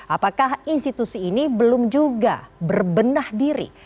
apakah institusi ini belum juga berbenah diri